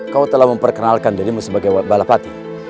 kau telah memperkenalkan dirimu sebagai balapati